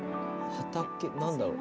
何だろう。